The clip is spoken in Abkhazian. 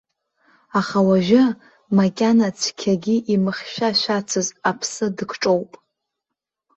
Аха уажәы, макьана цқьагьы имыхьшәашәацыз аԥсы дыкҿоуп.